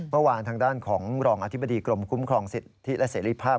เมื่อวานทางด้านของรองอธิบดีกรมคุ้มครองสิทธิและเสรีภาพ